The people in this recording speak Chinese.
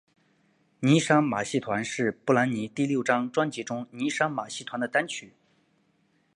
妮裳马戏团是布兰妮第六张专辑中妮裳马戏团的单曲。